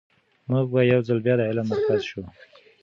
موږ به یو ځل بیا د علم مرکز شو.